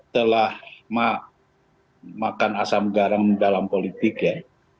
telah makan asam garam dalam politik ya